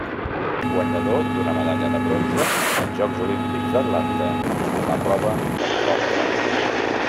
Guanyador d'una medalla de bronze als Jocs Olímpics d'Atlanta en la prova de Quilòmetre.